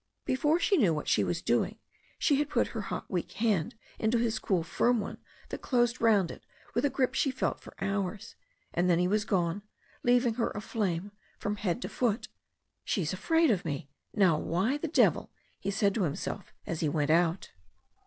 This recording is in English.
Before she knew what she was doing she had put her hot weak hand into his cool firm one that closed round it with a grip she felt for hours, and then he was gone, leaving her aflame from head to foot. "She is afraid of me ! Now why the devil " he said to himself as he went out.